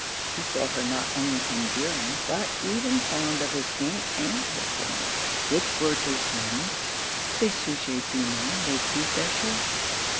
He saw her not only enduring but even fond of his aunt and her plants, which were to him, 'les sujets du monde les plus facheux.'